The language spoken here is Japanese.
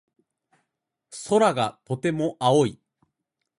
空がとても青い。